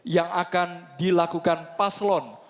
yang akan dilakukan paslon